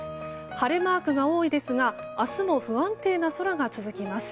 晴れマークが多いですが明日も不安定な空が続きます。